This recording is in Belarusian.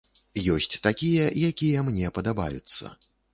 Ёсць такія, якія мне падабаюцца.